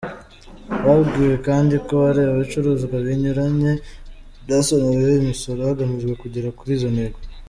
Babwiwe kandi ko hari ibicuruzwa binyuranye byasonewe imisoro hagamijwe kugera kuri izo ntego.